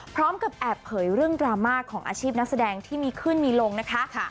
พร้อมกับแอบเผยเรื่องดราม่าของอาชีพนักแสดงที่มีขึ้นมีลงนะคะ